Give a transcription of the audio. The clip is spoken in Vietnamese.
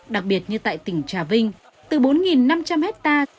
đặc biệt như tại tỉnh trà vinh từ bốn năm trăm linh hectare